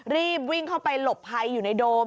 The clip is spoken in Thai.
รีบวิ่งเข้าไปหลบภัยอยู่ในโดม